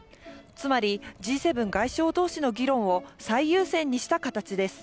つまり、Ｇ７外相どうしの議論を最優先にした形です。